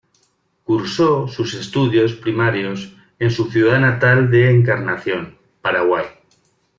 Cursó sus estudios primarios en su ciudad natal de Encarnación, Paraguay.